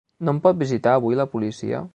No em pot visitar avui la policia?